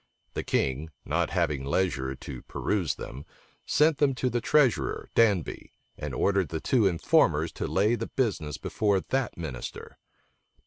The king, not having leisure to peruse them, sent them to the treasurer, Danby, and ordered the two informers to lay the business before that minister.